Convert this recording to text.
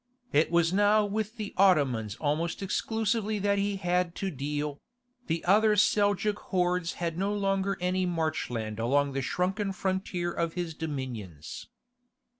It was now with the Ottomans almost exclusively that he had to deal; the other Seljouk hordes had no longer any marchland along the shrunken frontier of his dominions.